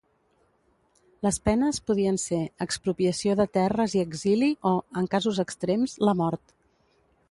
Les penes podien ser: expropiació de terres i exili o, en casos extrems, la mort.